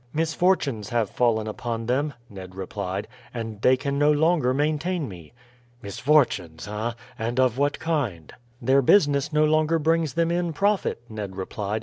"Misfortunes have fallen upon them," Ned replied, "and they can no longer maintain me." "Misfortunes, ah! and of what kind?" "Their business no longer brings them in profit," Ned replied.